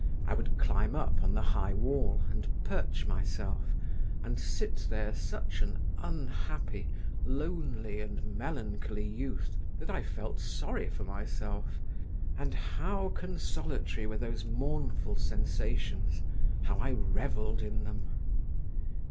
I would climb up on the high wall, and perch myself, and sit there, such an unhappy, lonely, and melancholy youth, that I felt sorry for myself—and how consolatory were those mournful sensations, how I revelled in them!